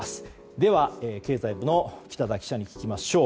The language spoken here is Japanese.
では経済部の北田記者に聞きましょう。